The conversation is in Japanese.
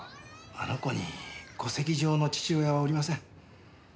あの子に戸籍上の父親はおりません。